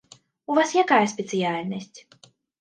У вас якая спецыяльнасць?